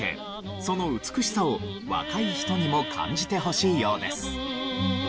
その美しさを若い人にも感じてほしいようです。